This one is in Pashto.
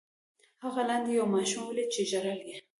هغه لاندې یو ماشوم ولید چې ژړل یې.